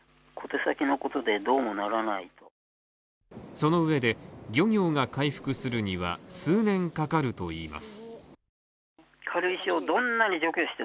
その上で、漁業が回復するには数年かかるといいます。